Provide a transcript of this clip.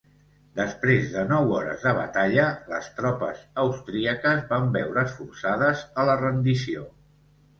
Després de nou hores de batalla, les tropes austríaques van veure's forçades a la rendició.